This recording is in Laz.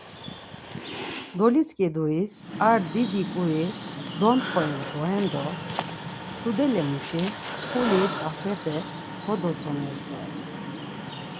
Dolitzǩeduis ar didi ǩui dontxores doren do tudele muşi mtzǩuli ǩafrepe kodotsones doren.